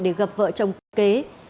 để gặp vợ chồng kế